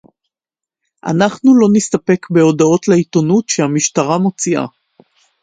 אנחנו לא נסתפק בהודעות לעיתונות שהמשטרה מוציאה